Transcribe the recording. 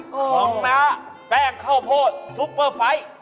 ของน้าแป้งข้าวโพดซุปเปอร์ไฟต์